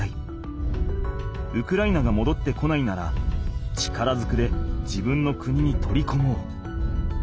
ウクライナがもどってこないなら力ずくで自分の国に取りこもう。